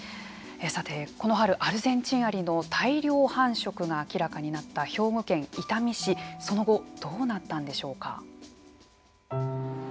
さて、この春アルゼンチンアリの大量繁殖が明らかになった兵庫県伊丹市その後どうなったんでしょうか。